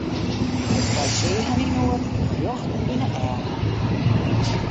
Wy seagen inoar rjocht yn 'e eagen.